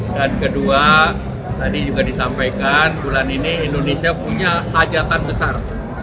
dan kedua tadi juga disampaikan bulan ini indonesia punya hajatan besar